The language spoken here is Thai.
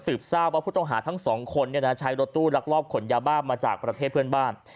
ทราบว่าผู้ต้องหาทั้งสองคนใช้รถตู้ลักลอบขนยาบ้ามาจากประเทศเพื่อนบ้าน